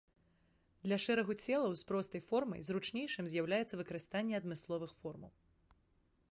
Для шэрагу целаў з простай формай зручнейшым з'яўляецца выкарыстанне адмысловых формул.